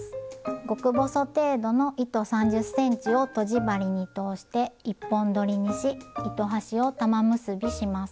極細程度の糸３０ｃｍをとじ針に通して１本どりにし糸端を玉結びします。